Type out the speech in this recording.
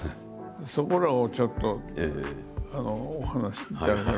そこらをちょっとお話しいただければ。